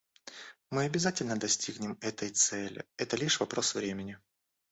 Мы обязательно достигнем этой цели; это лишь вопрос времени.